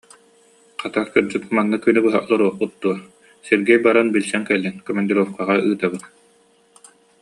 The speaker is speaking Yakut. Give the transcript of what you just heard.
Хата, кырдьык, манна күнү быһа олоруохпут дуо, Сергей баран билсэн кэллин, командировкаҕа ыытабыт